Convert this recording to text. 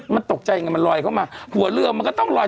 มันตกใจไงมันลอยเข้ามาหัวเรือมันก็ต้องลอย